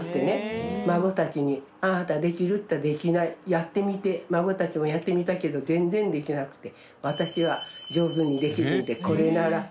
やってみて孫たちもやってみたけど全然できなくて。